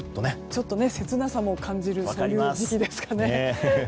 ちょっと切なさも感じるそういう時期ですかね。